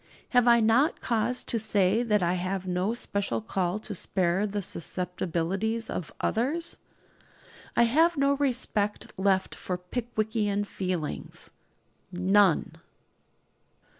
Have I not cause to say that I have no special call to spare the susceptibilities of others? I have no respect left for Pickwickian feelings none.